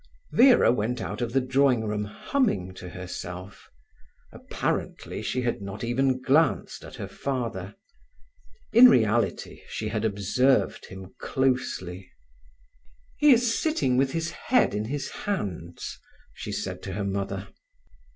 Vera went out of the drawing room humming to herself. Apparently she had not even glanced at her father. In reality, she had observed him closely. "He is sitting with his head in his hands," she said to her mother.